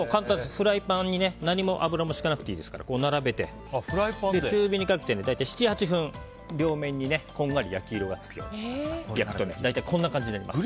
フライパンに何も油もひかなくていいですから並べて中火にかけて大体７８分両面に、こんがり焼き色がつくぐらい焼くと大体、こんな感じになります。